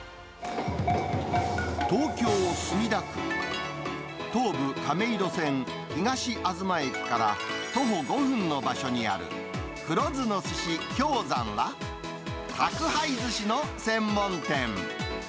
東京・墨田区、東武亀戸線東あずま駅から徒歩５分の場所にある、黒酢の寿司京山は、宅配ずしの専門店。